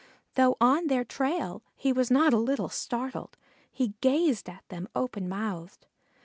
Though on their trail he was not a little startled. He gazed at them open mouthed.